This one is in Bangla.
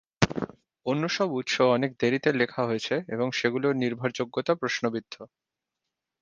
অন্য সব উৎস অনেক দেরিতে লেখা হয়েছে এবং সেগুলোর নির্ভরযোগ্যতা প্রশ্নবিদ্ধ।